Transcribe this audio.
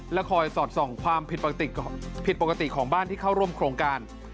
และคอยสอดส่องความผิดผิดปกติของบ้านที่เข้าร่วมโครงการ